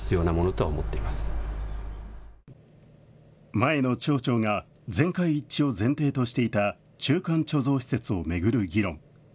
前の町長が全会一致を前提としていた中間貯蔵施設を巡る議論。